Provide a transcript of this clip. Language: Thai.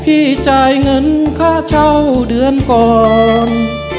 จ่ายเงินค่าเช่าเดือนก่อน